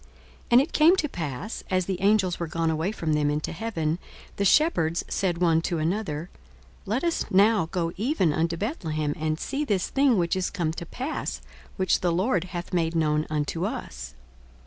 42:002:015 And it came to pass, as the angels were gone away from them into heaven, the shepherds said one to another, Let us now go even unto Bethlehem, and see this thing which is come to pass, which the Lord hath made known unto us.